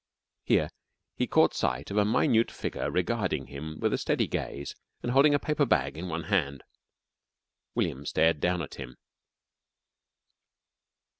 Here he caught sight of a minute figure regarding him with a steady gaze and holding a paper bag in one hand. William stared down at him.